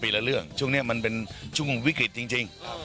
ละเรื่องช่วงนี้มันเป็นช่วงวิกฤตจริง